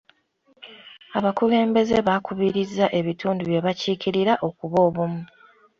Abakulembeze baakubiriza ebitundu bye bakiikirira okuba obumu.